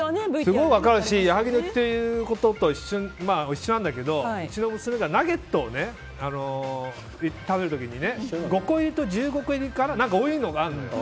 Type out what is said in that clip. すごい分かるし矢作の言うことと一緒なんだけど、うちの娘がナゲットを食べる時に５個入りと１５個入りかな何か多いのがあるのよ。